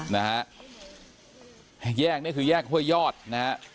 เนี่ยคือแยกเว้ยยอศนะครับ